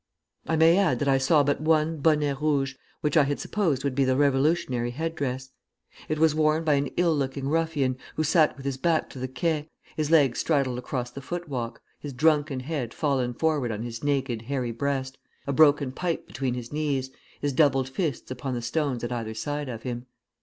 "I may add that I saw but one bonnet rouge, which I had supposed would be the revolutionary headdress. It was worn by an ill looking ruffian, who sat with his back to the Quai, his legs straddled across the foot walk, his drunken head fallen forward on his naked, hairy breast, a broken pipe between his knees, his doubled fists upon the stones at either side of him."